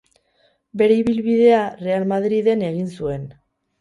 Bere ibilbidea Real Madriden egin zuen.